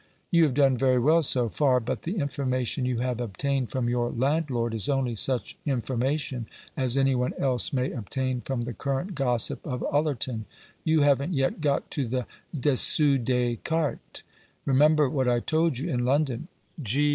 You have done very well so far, but the information you have obtained from your landlord is only such information as any one else may obtain from the current gossip of Ullerton. You haven't yet got to the dessous des cartes. Remember what I told you in London.